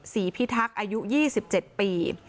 พิทักษ์อายุ๒๗ปี